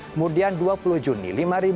kemudian dua puluh juni